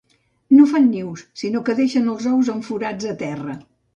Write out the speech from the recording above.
No fan nius, sinó que deixen els ous en forats a terra.